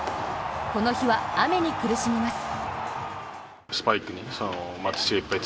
この日は雨に苦しみます。